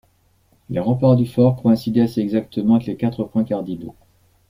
Les remparts du fort coïncidaient assez exactement avec les quatre points cardinaux.